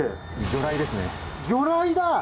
魚雷だ。